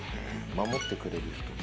「守ってくれる人」。